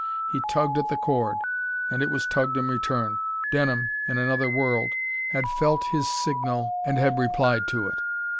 He tugged at the cord and it was tugged in return. Denham, in another world, had felt his signal and had replied to it....